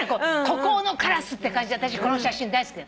孤高のカラスって感じで私この写真大好き。